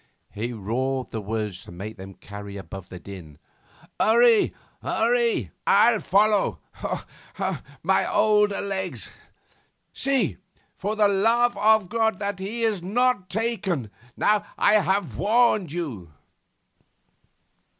He roared the words to make them carry above the din. 'Hurry, hurry! I'll follow.... My older legs.... See, for the love of God, that he is not taken.... I warned you!